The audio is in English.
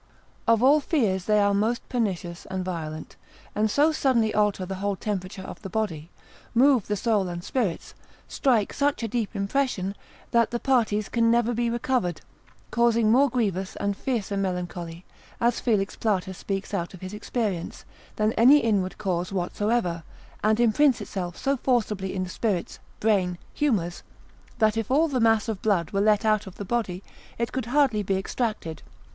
Of all fears they are most pernicious and violent, and so suddenly alter the whole temperature of the body, move the soul and spirits, strike such a deep impression, that the parties can never be recovered, causing more grievous and fiercer melancholy, as Felix Plater, c. 3. de mentis alienat. speaks out of his experience, than any inward cause whatsoever: and imprints itself so forcibly in the spirits, brain, humours, that if all the mass of blood were let out of the body, it could hardly be extracted.